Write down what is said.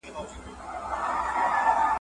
تاسو په دې اړه کوم کتاب لوستی دی؟